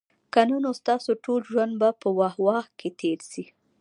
که نه نو ستاسو ټول ژوند به په "واه، واه" کي تیر سي